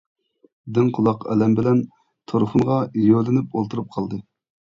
دىڭ قۇلاق ئەلەم بىلەن تۇرخۇنغا يۆلىنىپ ئولتۇرۇپ قالدى.